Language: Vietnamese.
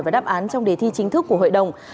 và đáp án trong đề thi chính thức của hội đồng